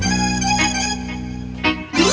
kalau begitu saya permisi